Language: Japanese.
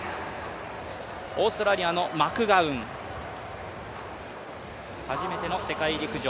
オーストラリアのマクガウン、初めての世界陸上。